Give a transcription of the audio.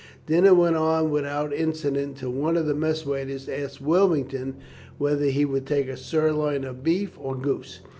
Dinner went on without incident until one of the mess waiters asked Wilmington whether he would take sirloin of beef or goose.